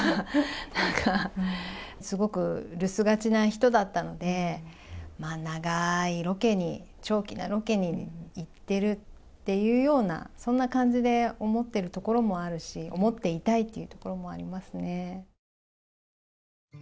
なんか、すごく留守がちな人だったので、長いロケに、長期のロケに行ってるっていうような、そんな感じで思ってるところもあるし、思っていたいってところもありますね。